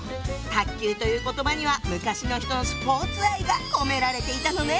「卓球」という言葉には昔の人のスポーツ愛が込められていたのね。